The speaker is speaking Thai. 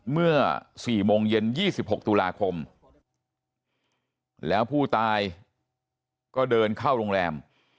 เมื่อ๔โมงเย็น๒๖ตุลาคมแล้วผู้ตายก็เดินเข้าโรงแรม